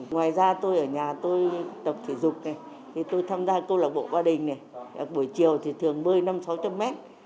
ngoài ra tôi ở nhà tôi tập thể dục tôi tham gia cô lạc bộ ba đình buổi chiều thì thường bơi năm trăm linh sáu trăm linh mét